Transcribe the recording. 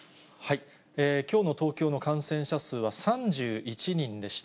きょうの東京の感染者数は３１人でした。